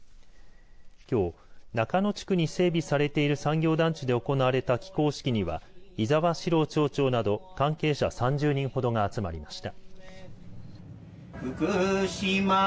きょう、中野地区に整備されている産業団地で行われた起工式には伊澤史朗町長など関係者３０人ほどが集まりました。